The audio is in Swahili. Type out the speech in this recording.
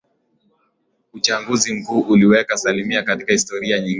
Uchaguzi mkuu ulimuweka Samia katika historia nyingine